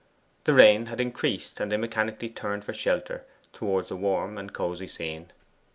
The rain had increased, and they mechanically turned for shelter towards the warm and cosy scene.